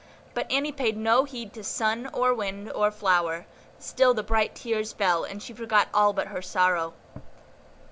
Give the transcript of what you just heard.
But Annie paid no heed to sun, or wind, or flower; still the bright tears fell, and she forgot all but her sorrow.